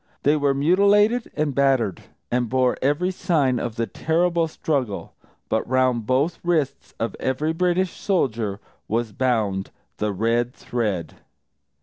They were mutilated and battered, and bore every sign of the terrible struggle. _But round both wrists of every British soldier was bound the red thread!